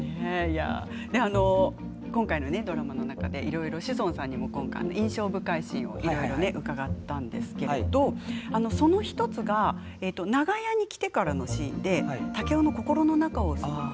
今回のドラマの中でいろいろ志尊さんにも印象深いシーンを伺ったんですけれど、その１つが長屋に来てからのシーンで竹雄の心の中を。